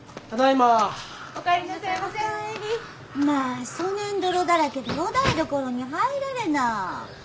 まあそねん泥だらけでお台所に入られな。